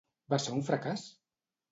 Va ser un fracàs?